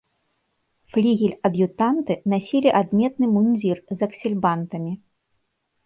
Флігель-ад'ютанты насілі адметны мундзір з аксельбантамі.